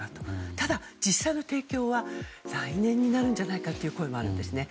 ただ、実際の提供は来年になるという声もあるんです。